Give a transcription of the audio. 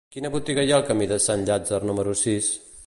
Quina botiga hi ha al camí de Sant Llàtzer número sis?